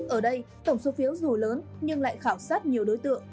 ở đây tổng số phiếu dù lớn nhưng lại khảo sát nhiều đối tượng